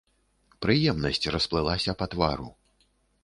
Прыемнасць расплылася па твару.